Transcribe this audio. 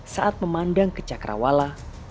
saat memandang ke cakrawala